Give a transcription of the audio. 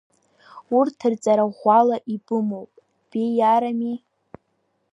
Урҭ рҵара ӷәӷәала ибымоуп, беиарами?!